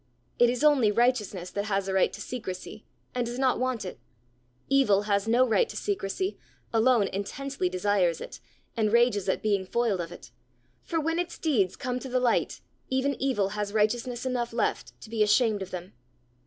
It is only righteousness that has a right to secrecy, and does not want it; evil has no right to secrecy, alone intensely desires it, and rages at being foiled of it; for when its deeds come to the light, even evil has righteousness enough left to be ashamed of them.